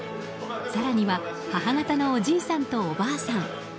更には母方のおじいさんとおばあさん